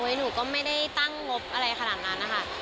หนูก็ไม่ได้ตั้งงบอะไรขนาดนั้นนะคะ